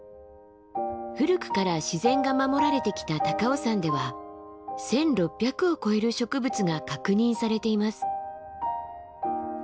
古くから自然が守られてきた高尾山では１，６００を超える植物が確認されています。